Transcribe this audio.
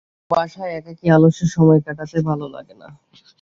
এমনিতেও বাসায় একাকী আলসে সময় কাটাতে ভালো লাগে না।